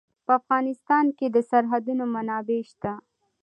په افغانستان کې د سرحدونه منابع شته.